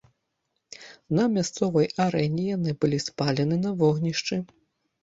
На мясцовай арэне яны былі спалены на вогнішчы.